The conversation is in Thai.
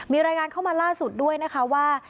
มีรายงานเข้ามาล่าสุดด้วยนะคะว่า